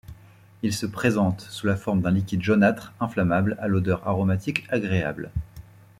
Il se présente sous la forme d'un liquide jaunâtre inflammable à l'odeur aromatique agréable.